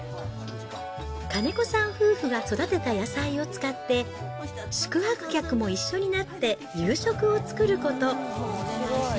金子さん夫婦が育てた野菜を使って、宿泊客も一緒になって夕食を作ること。